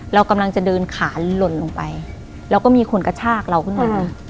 เรากำลังจะเดินขาหล่นลงไปแล้วก็มีคนกระชากเราขึ้นมา